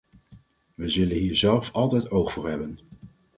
Wij zullen hier zelf altijd oog voor hebben.